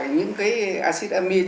những cái acid amine